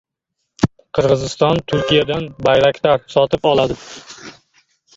Qirg‘iziston Turkiyadan “Bayraktar” sotib oladi